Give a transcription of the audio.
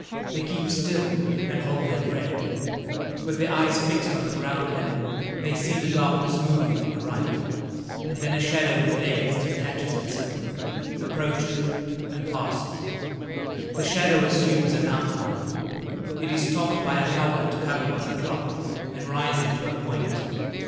They keep still and hold their breath. With their eyes fixed on the ground level, they see the darkness moving on the right, and then a shadow with legs detaches itself, approaches, and passes. The shadow assumes an outline. It is topped by a helmet covered with a cloth and rising to a point.